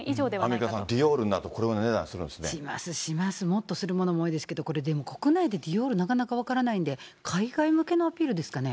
アンミカさん、ディオールになると、しますします、もっとするものも多いですけど、これでも国内でディオールって、分からないんで、海外向けのアピールですかね。